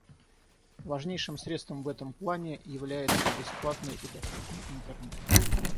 Важнейшим средством в этом плане является бесплатный и доступный Интернет.